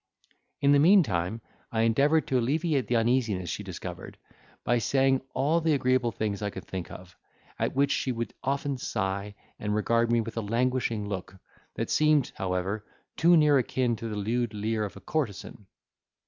In the meantime, I endeavoured to alleviate the uneasiness she discovered, by saying all the agreeable things I could think of; at which she would often sigh, and regard me with a languishing look, that seemed, however, too near akin to the lewd leer of a courtesan.